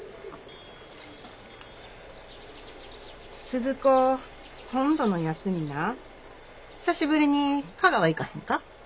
スズ子今度の休みな久しぶりに香川行かへんか？